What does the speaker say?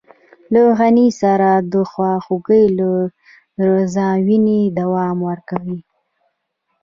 له غني سره د خواخوږۍ له زاويې دوام ورکوم.